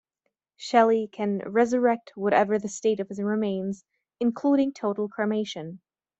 Shelley can resurrect whatever the state of his remains, including total cremation.